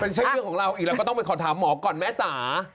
เป็นช่วยเรื่องของเราอีกแล้วก็ต้องไปขอถามหมอก่อนแม่ตา